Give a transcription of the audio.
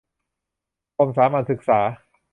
กรมสามัญศึกษา